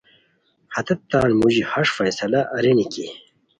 ہتیت تات موژی ہݰ فیصلہ ارینی کی